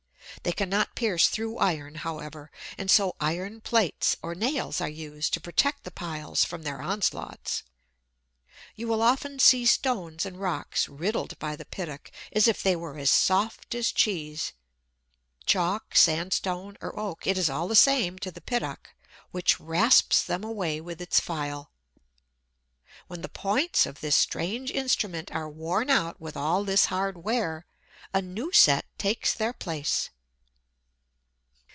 They cannot pierce through iron, however, and so iron plates or nails are used to protect the piles from their onslaughts. You will often see stones and rocks riddled by the Piddock as if they were as soft as cheese. Chalk, sandstone, or oak, it is all the same to the Piddock, which rasps them away with its file. When the points of this strange instrument are worn out with all this hard wear, a new set takes their place.